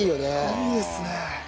いいですね。